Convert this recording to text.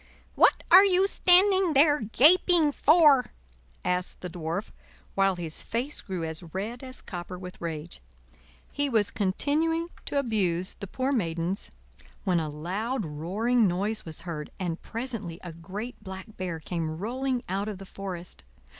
"What are you standing there gaping for?" asked the Dwarf, while his face grew as red as copper with rage; he was continuing to abuse the poor Maidens, when a loud roaring noise was heard, and presently a great black Bear came rolling out of the forest.